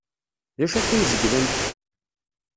D acu akka ay zeglent?